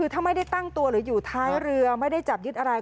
ถ้าไม่ได้ตั้งตัวหรืออยู่ท้ายเรือไม่ได้จับยึดอะไร